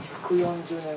１４０年。